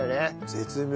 絶妙。